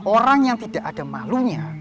orang yang tidak ada makhlunya